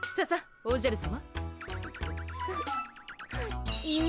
おじゃるさま